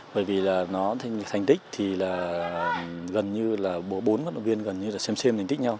bởi vì nó thành tích gần như bốn vận động viên xem xem thành tích nhau